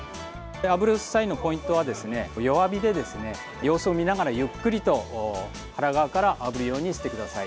あぶる際のポイントは弱火で様子を見ながらゆっくりと腹側からあぶるようにしてください。